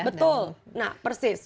betul nah persis